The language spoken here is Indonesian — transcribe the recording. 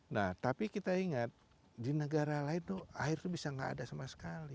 nah tapi kita ingat di negara lain tuh air itu bisa nggak ada sama sekali